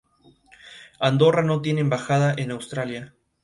Escribían, por otro lado, desde un punto de vista aristocrático y nacionalista.